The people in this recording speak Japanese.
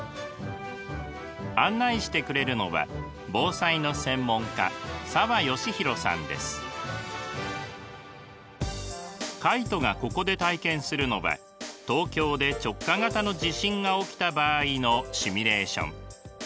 案内してくれるのは防災の専門家カイトがここで体験するのは東京で直下型の地震が起きた場合のシミュレーション。